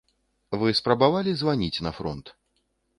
Вы спрабавалі званіць на фронт?